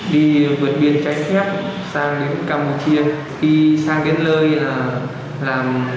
đi vượt biên trái phép sang campuchia đi sang đến lơi là